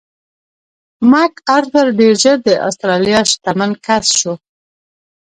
مک ارتر ډېر ژر د اسټرالیا شتمن کس شو.